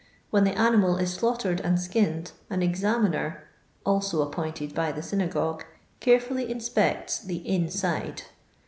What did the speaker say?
When the animal is slaughtered and skinned, an examiner (also ap pointed by the synagogue) carefully inspects the 'inside.'